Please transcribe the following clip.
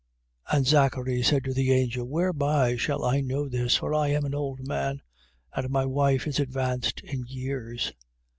1:18. And Zachary said to the angel: Whereby shall I know this? For I am an old man, and my wife is advanced in years.